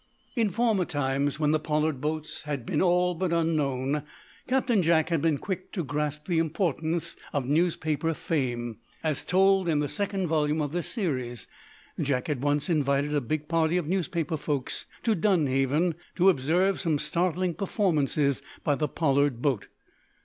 In former times, when the Pollard boats had been all but unknown, Captain Jack had been quick to grasp the importance of newspaper fame. As told in the second volume of this series, Jack had once invited a big party of newspaper folks to Dunhaven, to observe some startling performances by the Pollard boat.